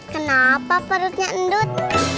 kenapa perutnya endut